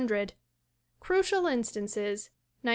Crucial Instances, 1901.